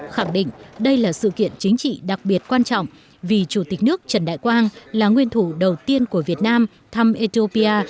khẳng định đây là sự kiện chính trị đặc biệt quan trọng vì chủ tịch nước trần đại quang là nguyên thủ đầu tiên của việt nam thăm ethiopia